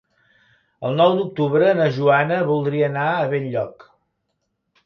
El nou d'octubre na Joana voldria anar a Benlloc.